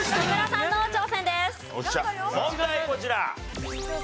こちら。